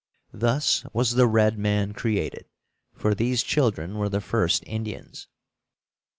Thus was the red man created; for these children were the first Indians.